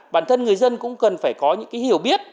bản thân người dân cũng cần phải có những hiểu biết